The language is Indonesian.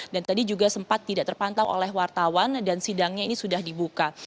tadi juga sempat tidak terpantau oleh wartawan dan sidangnya ini sudah dibuka